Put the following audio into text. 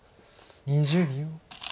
２０秒。